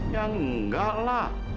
ya enggak lah